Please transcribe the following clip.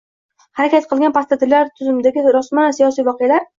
harakat qilgan, posttotalitar tuzumdagi rostmana siyosiy voqealar